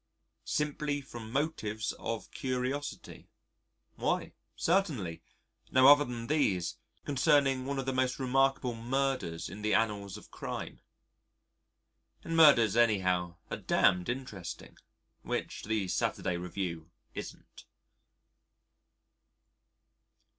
"Simply from motives of curiosity." Why certainly, no other than these, concerning one of the most remarkable murders in the annals of crime. And murders anyhow are damned interesting which the Saturday Review isn't.